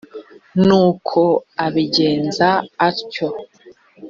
nuko abigenza atyo